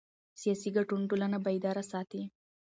سیاسي ګډون ټولنه بیداره ساتي